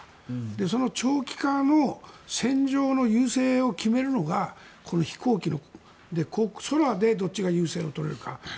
その長期化の戦場の優勢を決めるのがこの飛行機で空でどっちが優勢を取れるか。